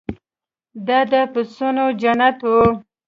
دا د پسونو جنت و.